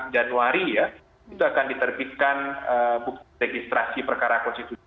empat januari ya itu akan diterbitkan bukti registrasi perkara konstitusi